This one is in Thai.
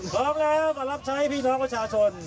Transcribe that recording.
พร้อมแล้วมารับใช้พี่น้องประชาชน